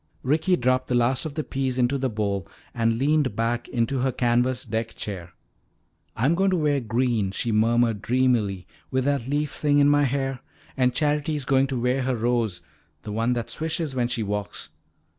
Ricky dropped the last of the peas into the bowl and leaned back in her canvas deck chair. "I'm going to wear green," she murmured dreamily, "with that leaf thing in my hair. And Charity's going to wear her rose, the one that swishes when she walks."